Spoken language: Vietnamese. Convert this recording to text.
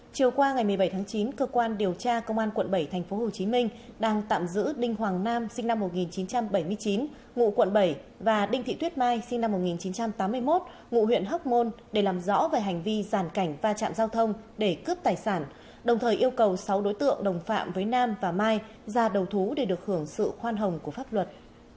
chưa qua ngày một mươi bảy tháng chín cơ quan điều tra công an quận bảy tp hcm đang tạm giữ đinh hoàng nam sinh năm một nghìn chín trăm bảy mươi chín ngụ quận bảy và đinh thị tuyết mai sinh năm một nghìn chín trăm tám mươi một ngụ huyện hóc môn để làm rõ về hành vi giàn cảnh va chạm giao thông để cướp tài sản đồng thời yêu cầu sáu đối tượng đồng phạm với nam và mai ra đầu thú để được hưởng sự khoan hồng của pháp luật